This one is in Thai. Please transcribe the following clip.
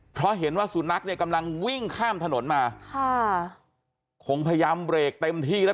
เพราะเห็นว่าสุนัขเนี่ยกำลังวิ่งข้ามถนนมาค่ะคงพยายามเบรกเต็มที่แล้ว